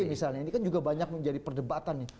misalnya ini kan juga banyak menjadi perdebatan nih